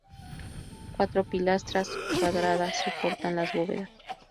Cuatro pilastras cuadradas soportan las bóvedas.